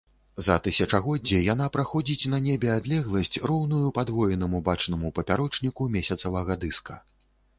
За тысячагоддзе яна праходзіць на небе адлегласць, роўную падвоенаму бачнаму папярочніку месяцавага дыска.